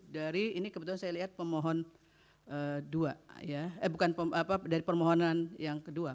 dari ini kebetulan saya lihat pemohon dua ya eh bukan dari permohonan yang kedua